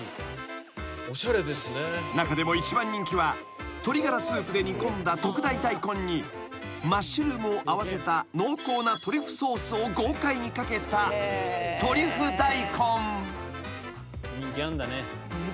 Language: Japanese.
［中でも一番人気は鶏がらスープで煮込んだ特大ダイコンにマッシュルームを合わせた濃厚なトリュフソースを豪快にかけたトリュフ大根］